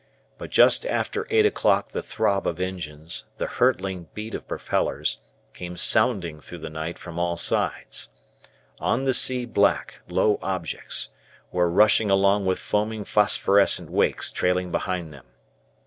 But just after eight o'clock the throb of engines, the hurtling beat of propellers, came sounding through the night from all sides. On the sea black, low objects were rushing along with foaming phosphorescent wakes trailing behind them.